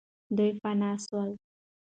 دوی پنا سول.